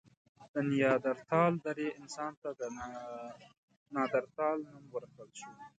د نیاندرتال درې انسان ته د نایندرتال نوم ورکړل شو.